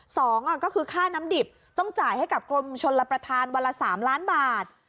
สองก็คือค่าน้ำดิบต้องจ่ายให้กับกรมชนรับประทานวันละสามล้านบาท